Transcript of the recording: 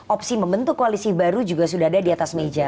opsi membentuk koalisi baru juga sudah ada di atas meja